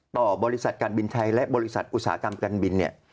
ต่อบริษัทการบินไทยและบริษัทอุตสาหกรรมการบินเนี่ย